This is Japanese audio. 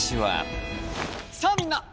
さあみんな！